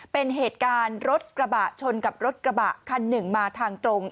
เป็นเหตุการณ์รถกระบะชนกับรถกระบะคันหนึ่งมาทางตรง